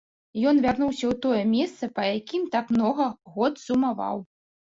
Ён вярнуўся ў тое месца, па якім так многа год сумаваў.